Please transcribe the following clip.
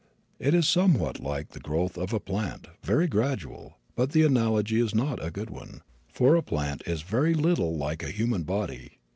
It is somewhat like the growth of a plant, very gradual, but the analogy is not a good one, for a plant is very little like a human body.